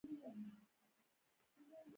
افغانستان به ابادیږي؟